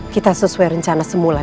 kita sesuai rencana semula